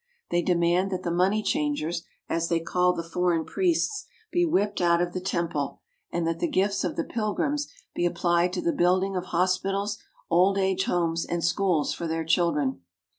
They de mand that the money changers, as they call the for eign priests, be whipped out of the temple, and that the gifts of the pilgrims be applied to the building of hos pitals, old age homes, and schools for their children.